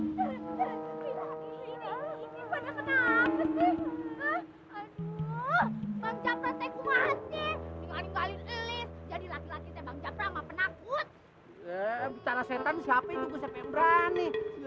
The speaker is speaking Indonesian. setan siapa yang cukup sepenberani